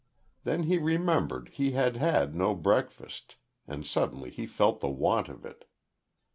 Then he remembered he had had no breakfast, and suddenly felt the want of it.